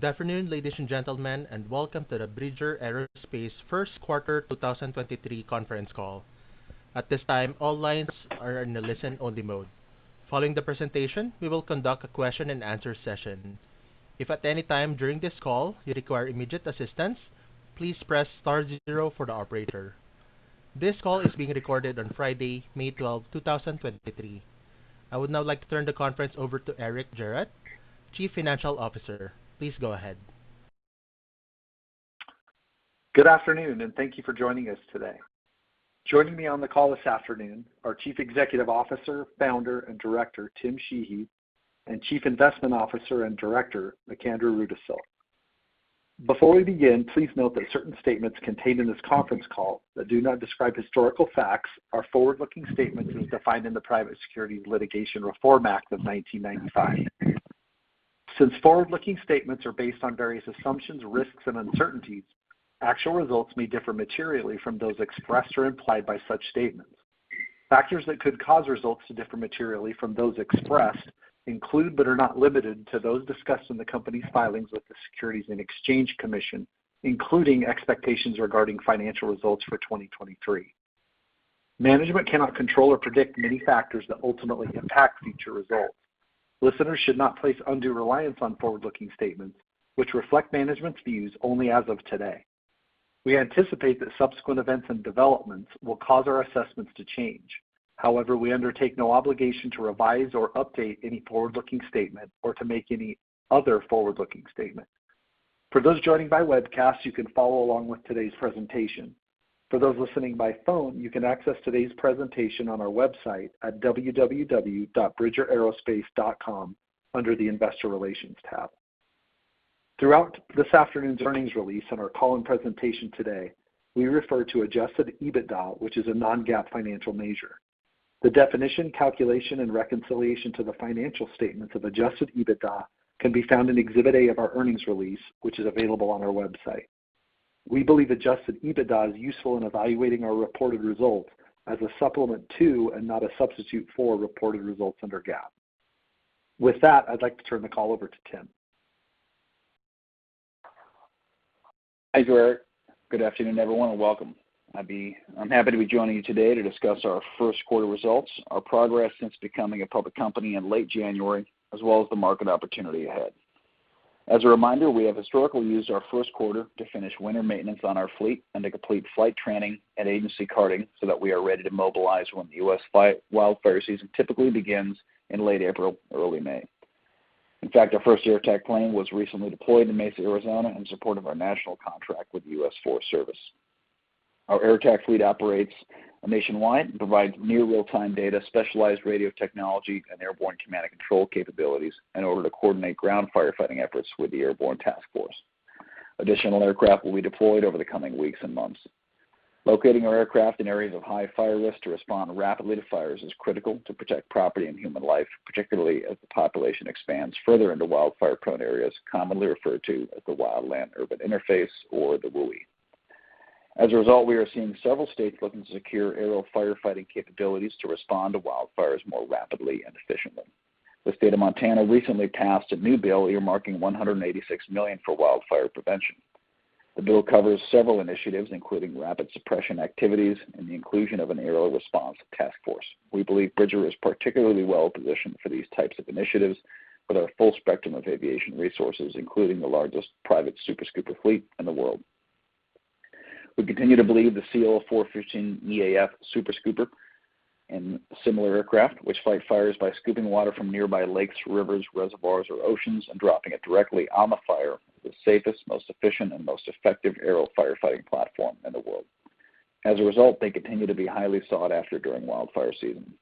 Good afternoon, ladies and gentlemen, welcome to the Bridger Aerospace first quarter 2023 conference call. At this time, all lines are in a listen-only mode. Following the presentation, we will conduct a question-and-answer session. If at any time during this call you require immediate assistance, please press star zero for the operator. This call is being recorded on Friday, May 12, 2023. I would now like to turn the conference over to Eric Gerratt, Chief Financial Officer. Please go ahead. Good afternoon, and thank you for joining us today. Joining me on the call this afternoon are Chief Executive Officer, Founder, and Director, Tim Sheehy, and Chief Investment Officer and Director, McAndrew Rudisill. Before we begin, please note that certain statements contained in this conference call that do not describe historical facts are forward-looking statements as defined in the Private Securities Litigation Reform Act of 1995. Since forward-looking statements are based on various assumptions, risks, and uncertainties, actual results may differ materially from those expressed or implied by such statements. Factors that could cause results to differ materially from those expressed include but are not limited to those discussed in the company's filings with the Securities and Exchange Commission, including expectations regarding financial results for 2023. Management cannot control or predict many factors that ultimately impact future results. Listeners should not place undue reliance on forward-looking statements which reflect management's views only as of today. We anticipate that subsequent events and developments will cause our assessments to change. However, we undertake no obligation to revise or update any forward-looking statement or to make any other forward-looking statement. For those joining by webcast, you can follow along with today's presentation. For those listening by phone, you can access today's presentation on our website at www.bridgeraerospace.com under the Investor Relations tab. Throughout this afternoon's earnings release and our call and presentation today, we refer to adjusted EBITDA, which is a non-GAAP financial measure. The definition, calculation, and reconciliation to the financial statements of adjusted EBITDA can be found in Exhibit A of our earnings release, which is available on our website. We believe adjusted EBITDA is useful in evaluating our reported results as a supplement to and not a substitute for reported results under GAAP. With that, I'd like to turn the call over to Tim. Thank you, Eric. Good afternoon, everyone, and welcome. I'm happy to be joining you today to discuss our 1st quarter results, our progress since becoming a public company in late January, as well as the market opportunity ahead. As a reminder, we have historically used our 1st quarter to finish winter maintenance on our fleet and to complete flight training and agency carding so that we are ready to mobilize when the U.S. wildfire season typically begins in late April, early May. In fact, our 1st Air Attack plane was recently deployed to Mesa, Arizona, in support of our national contract with the US Forest Service. Our Air Attack fleet operates nationwide and provides near real-time data, specialized radio technology, and airborne command and control capabilities in order to coordinate ground firefighting efforts with the airborne task force. Additional aircraft will be deployed over the coming weeks and months. Locating our aircraft in areas of high fire risk to respond rapidly to fires is critical to protect property and human life, particularly as the population expands further into wildfire-prone areas, commonly referred to as the wildland-urban interface or the WUI. As a result, we are seeing several states looking to secure aerial firefighting capabilities to respond to wildfires more rapidly and efficiently. The state of Montana recently passed a new bill earmarking $186 million for wildfire prevention. The bill covers several initiatives, including rapid suppression activities and the inclusion of an aerial response task force. We believe Bridger is particularly well-positioned for these types of initiatives with our full spectrum of aviation resources, including the largest private Super Scooper fleet in the world. We continue to believe the CL-415EAF Super Scooper and similar aircraft, which fight fires by scooping water from nearby lakes, rivers, reservoirs, or oceans and dropping it directly on the fire, is the safest, most efficient, and most effective aerial firefighting platform in the world. As a result, they continue to be highly sought after during wildfire season.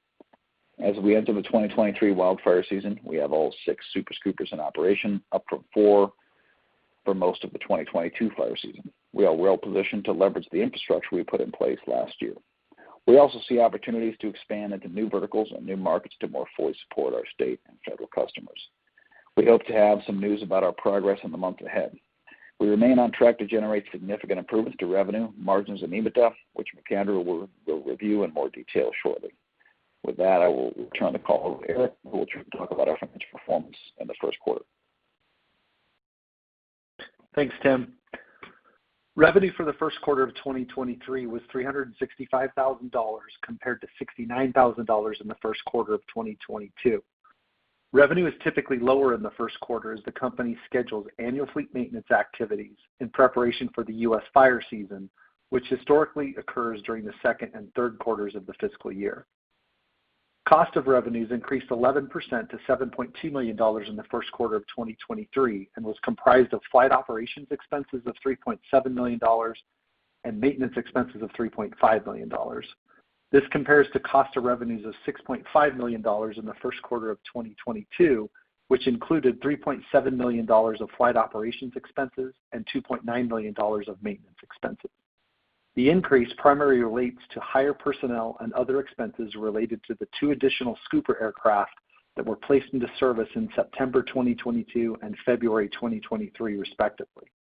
As we enter the 2023 wildfire season, we have all six Super Scoopers in operation, up from four for most of the 2022 fire season. We are well-positioned to leverage the infrastructure we put in place last year. We also see opportunities to expand into new verticals and new markets to more fully support our state and federal customers. We hope to have some news about our progress in the month ahead. We remain on track to generate significant improvements to revenue, margins, and EBITDA, which McAndrew will review in more detail shortly. With that, I will turn the call over to Eric Gerratt, who will talk about our financial performance in the first quarter. Thanks, Tim. Revenue for the first quarter of 2023 was $365,000 compared to $69,000 in the first quarter of 2022. Revenue is typically lower in the first quarter as the company schedules annual fleet maintenance activities in preparation for the U.S. fire season, which historically occurs during the second and third quarters of the fiscal year. Cost of revenues increased 11% to $7.2 million in the first quarter of 2023 and was comprised of flight operations expenses of $3.7 million and maintenance expenses of $3.5 million. This compares to cost of revenues of $6.5 million in the first quarter of 2022, which included $3.7 million of flight operations expenses and $2.9 million of maintenance expenses. The increase primarily relates to higher personnel and other expenses related to the two additional Super Scooper aircraft that were placed into service in September 2022 and February 2023 respectively.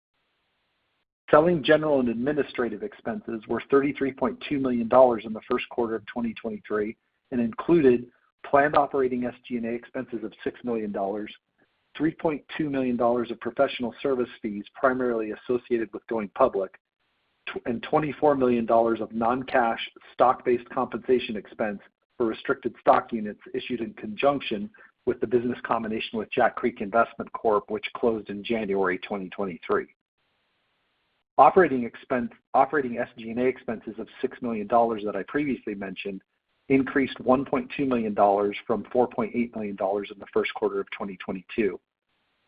Selling general and administrative expenses were $33.2 million in the first quarter of 2023 and included planned operating SG&A expenses of $6 million, $3.2 million of professional service fees primarily associated with going public, and $24 million of non-cash stock-based compensation expense for restricted stock units issued in conjunction with the business combination with Jack Creek Investment Corp, which closed in January 2023. Operating SG&A expenses of $6 million that I previously mentioned increased $1.2 million from $4.8 million in the first quarter of 2022.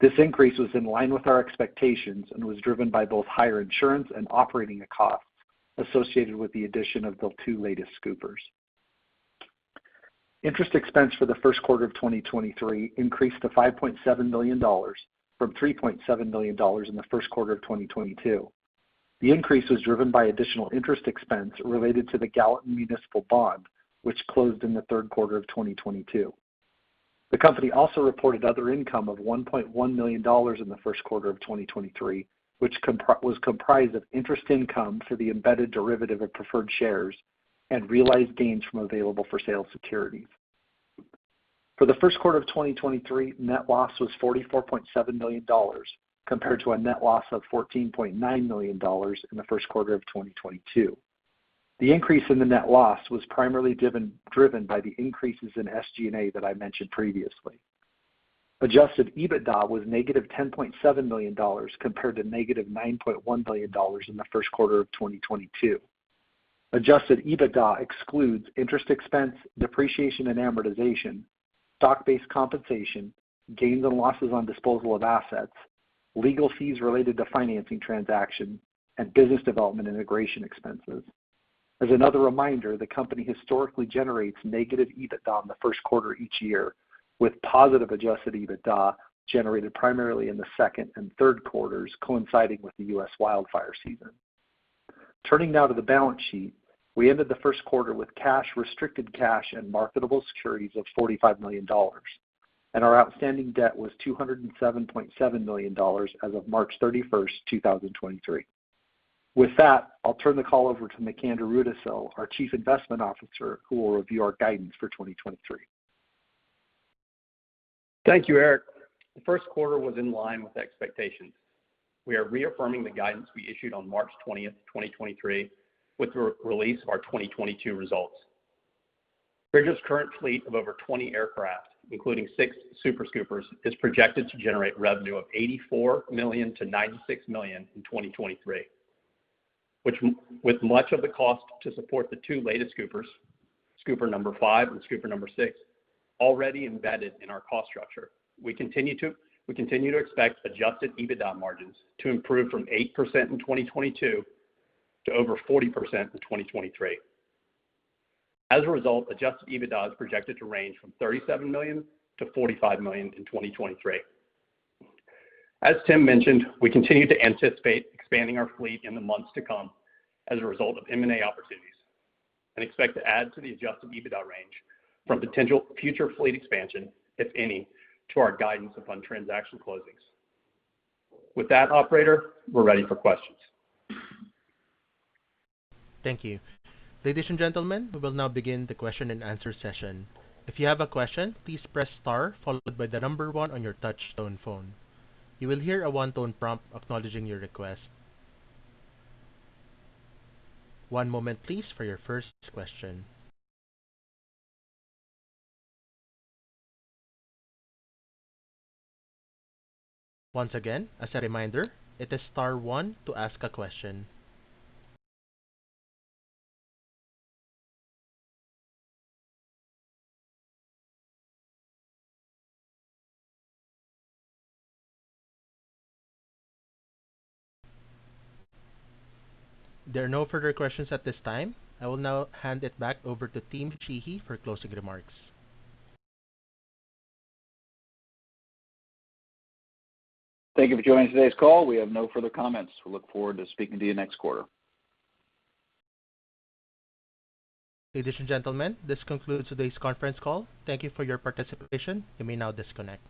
This increase was in line with our expectations and was driven by both higher insurance and operating costs associated with the addition of the two latest Super Scoopers. Interest expense for the first quarter of 2023 increased to $5.7 million from $3.7 million in the first quarter of 2022. The increase was driven by additional interest expense related to the Gallatin municipal bond, which closed in the third quarter of 2022. The company also reported other income of $1.1 million in the first quarter of 2023, which was comprised of interest income for the embedded derivative of preferred shares and realized gains from available for sale securities. For the first quarter of 2023, net loss was $44.7 million compared to a net loss of $14.9 million in the first quarter of 2022. The increase in the net loss was primarily driven by the increases in SG&A that I mentioned previously. Adjusted EBITDA was negative $10.7 million compared to negative $9.1 million in the first quarter of 2022. Adjusted EBITDA excludes interest expense, depreciation and amortization, stock-based compensation, gains and losses on disposal of assets, legal fees related to financing transaction and business development integration expenses. As another reminder, the company historically generates negative EBITDA in the first quarter each year, with positive adjusted EBITDA generated primarily in the second and third quarters coinciding with the U.S. wildfire season. Turning now to the balance sheet. We ended the first quarter with cash, restricted cash and marketable securities of $45 million, and our outstanding debt was $207.7 million as of March 31st, 2023. With that, I'll turn the call over to McAndrew Rudisill, our Chief Investment Officer, who will review our guidance for 2023. Thank you, Eric. The first quarter was in line with expectations. We are reaffirming the guidance we issued on March 20th, 2023 with the re-release of our 2022 results. Bridger's current fleet of over 20 aircraft, including 6 Super Scoopers, is projected to generate revenue of $84 million-$96 million in 2023, with much of the cost to support the two latest scoopers, scooper number 5 and scooper number 6, already embedded in our cost structure. We continue to expect adjusted EBITDA margins to improve from 8% in 2022 to over 40% in 2023. As a result, adjusted EBITDA is projected to range from $37 million-$45 million in 2023. As Tim mentioned, we continue to anticipate expanding our fleet in the months to come as a result of M&A opportunities, and expect to add to the adjusted EBITDA range from potential future fleet expansion, if any, to our guidance upon transaction closings. With that operator, we're ready for questions. Thank you. Ladies and gentlemen, we will now begin the question and answer session. If you have a question, please press star followed by the number one on your touch tone phone. You will hear a one-tone prompt acknowledging your request. One moment please for your first question. Once again, as a reminder, it is star one to ask a question. There are no further questions at this time. I will now hand it back over to Tim Sheehy for closing remarks. Thank you for joining today's call. We have no further comments. We look forward to speaking to you next quarter. Ladies and gentlemen, this concludes today's conference call. Thank you for your participation. You may now disconnect.